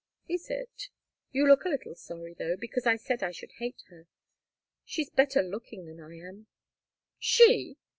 "Is it? You look a little sorry, though, because I said I should hate her. She's better looking than I am." "She!"